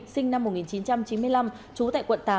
sinh năm một nghìn chín trăm chín mươi năm trú tại quận tám